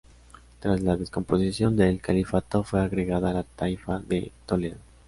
Tras la descomposición del califato fue agregada a la taifa de Toledo.